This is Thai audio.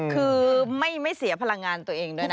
คือไม่เสียพลังงานตัวเองด้วยนะ